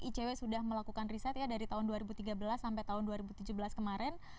icw sudah melakukan riset ya dari tahun dua ribu tiga belas sampai tahun dua ribu tujuh belas kemarin